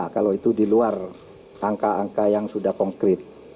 kalau itu di luar angka angka yang sudah konkret